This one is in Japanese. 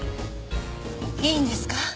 いいんですか？